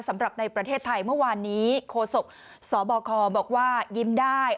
สำหรับในประเทศไทยเมื่อวานนี้โคศกสบคบอกว่ายิ้มได้